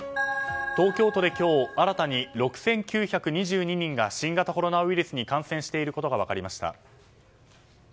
東京都で今日新たに６９２２人が新型コロナウイルスに感染していることが分かりました。